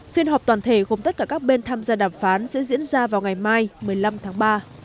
phiên họp toàn thể gồm tất cả các bên tham gia đàm phán sẽ diễn ra vào ngày mai một mươi năm tháng ba